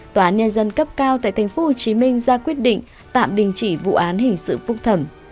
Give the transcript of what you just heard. tòa án nhân dân cấp cao tại tp hcm ra quyết định tạm đình chỉ vụ án hình sự phúc thẩm